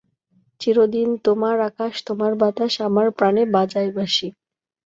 The legs have stout femora and the hind femora are often laterally compressed.